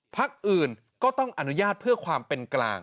พักอื่นก็ต้องอนุญาตเพื่อความเป็นกลาง